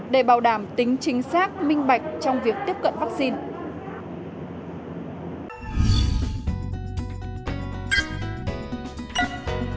để bảo đảm tính chính xác minh bạch trong việc tiếp cận vaccine